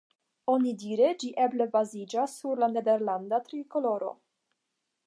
Onidire, ĝi eble baziĝas sur la nederlanda trikoloro.